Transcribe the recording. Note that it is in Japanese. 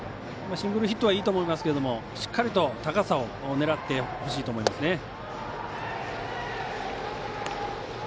シングルヒットがいいと思いますがしっかり高さを狙ってほしいと思いますね。